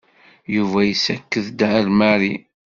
Yuba yessaked-d ar Mary.